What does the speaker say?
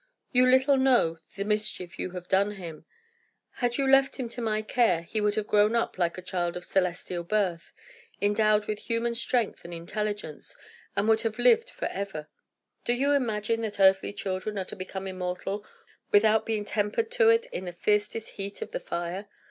You little know the mischief you have done him. Had you left him to my care, he would have grown up like a child of celestial birth, endowed with superhuman strength and intelligence, and would have lived forever. Do you imagine that earthly children are to become immortal without being tempered to it in the fiercest heat of the fire?